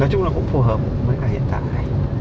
nói chung là cũng phù hợp với cả hiện tại